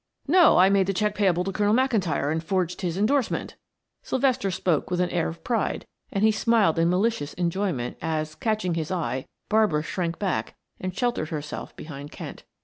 "No. I made the check payable to Colonel McIntyre and forged his endorsement," Sylvester spoke with an air of pride, and he smiled in malicious enjoyment as, catching his eye, Barbara shrank back and sheltered herself behind Kent.